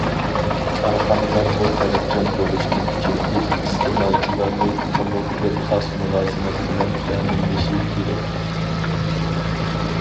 كارخانىلارمۇ تەلەپچان بولۇشنى كۈچەيتىپ، ئىستېمالچىلارنى تېخىمۇ كۆپ خاس مۇلازىمەت بىلەن تەمىنلىشى كېرەك.